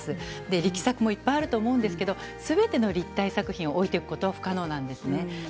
力作もいっぱいあると思うんですがすべての立体作品を置いておくことは不可能なんですね。